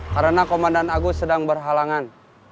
karena komandan agus sedang berhalangan